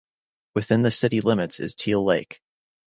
Within the city limits is Teal Lake.